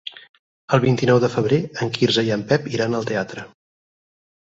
El vint-i-nou de febrer en Quirze i en Pep iran al teatre.